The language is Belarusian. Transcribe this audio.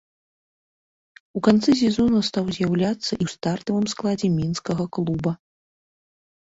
У канцы сезона стаў з'яўляцца і ў стартавым складзе мінскага клуба.